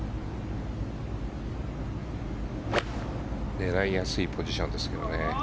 狙いやすいポジションですけどね。